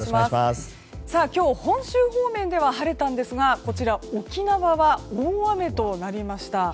今日、本州方面では晴れたんですが沖縄は大雨となりました。